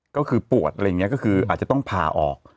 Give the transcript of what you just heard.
ก็คือปวดอะไรอย่างนี้ก็คืออาจจะต้องผ่าออก